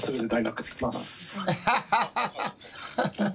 アハハハ！